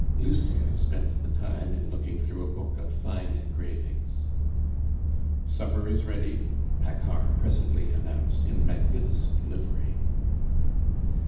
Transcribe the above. Lucien spent the time in looking through a book of fine engravings. "Supper is ready," Paccard presently announced, in magnificent livery.